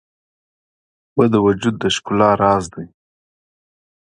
اوبه د وجود د ښکلا راز دي.